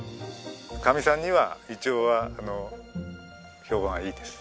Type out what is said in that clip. かみさんには一応は評判はいいです。